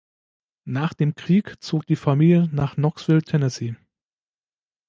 Nach dem Krieg zog die Familie nach Knoxville, Tennessee.